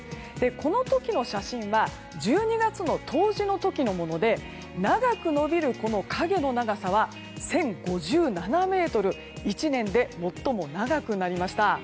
この時の写真は１２月の冬至の時のもので長く伸びる、この影の長さは１０５７ｍと１年で最も長くなりました。